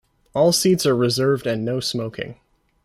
All seats are reserved and no-smoking.